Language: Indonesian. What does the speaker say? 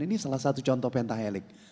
ini salah satu contoh pentahelik